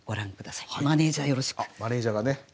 あっマネージャーがね。